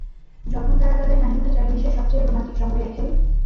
যখন তারা তাদের হানিমুনে যায়, বিশ্বের সবচেয়ে রোমান্টিক শহরে, এথেল?